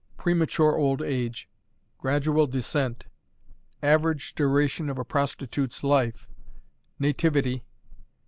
Premature Old Age. Gradual Descent. Average Duration of a Prostitute's Life. Nativity.